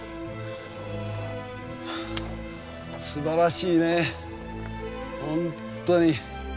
すばらしいね本当に。